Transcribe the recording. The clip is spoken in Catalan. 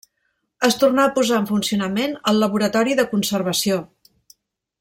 Es tornà a posar en funcionament el laboratori de conservació.